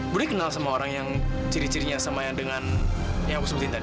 budi kenal sama orang yang ciri cirinya sama yang dengan yang aku sebutin tadi